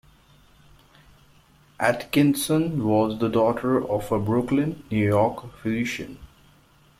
Atkinson was the daughter of a Brooklyn, New York physician.